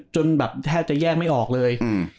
จนแบบแทบจะแยกไม่ออกเลย